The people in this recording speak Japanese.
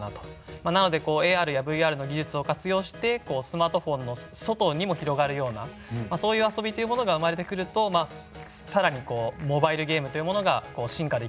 なのでＡＲやＶＲの技術を活用してスマートフォンの外にも広がるようなそういう遊びというものが生まれてくるとさらにモバイルゲームというものが進化できるのかなというふうに思います。